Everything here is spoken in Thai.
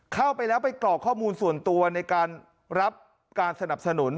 เข้าไปแล้วไปกรอกข้อมูลส่วนตัวในการรับการสนับสนุน